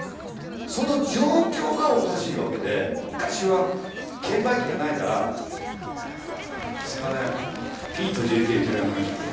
その状況がおかしいわけで昔は券売機がないから「すいません『ＰとＪＫ』１枚お願いします」